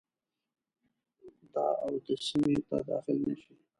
د اود سیمي ته داخل نه شي.